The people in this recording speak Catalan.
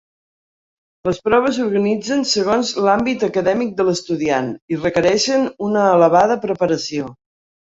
Les proves s'organitzen segons l'àmbit acadèmic de l'estudiant i requereixen una elevada preparació.